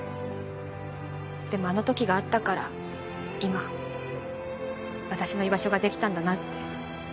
でもあの時があったから今私の居場所ができたんだなって。